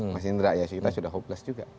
mas indra ya kita sudah hopeless juga